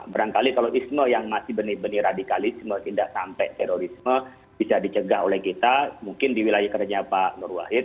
berangkali kalau isme yang masih benih benih radikalisme tindak sampai terorisme bisa dicegah oleh kita mungkin diwilayahkan oleh pak nur wahid